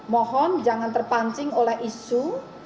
mohon jangan terpancing oleh isu